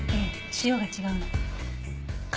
塩が違うの。